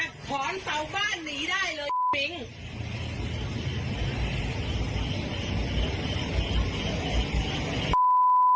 ถอนสาวบ้านหนีได้เลย